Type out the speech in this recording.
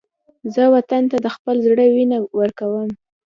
زه وطن ته د خپل زړه وینه ورکوم